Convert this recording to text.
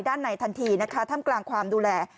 ในทันทีนะคะถ้ำกลางความดูแล